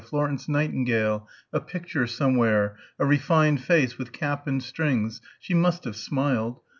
Florence Nightingale; a picture somewhere; a refined face, with cap and strings.... She must have smiled....